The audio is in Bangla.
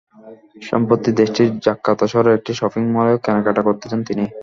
সম্প্রতি দেশটির জাকার্তা শহরের একটি শপিং মলে কেনাকাটা করতে যান তিনি।